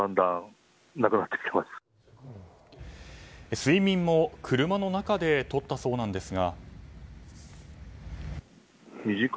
睡眠も車の中でとったそうなんですが。